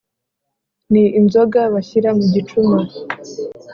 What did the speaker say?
Ni inzoga bashyira mu gicuma